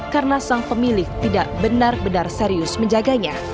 karena sang pemilik tidak benar benar serius menjaganya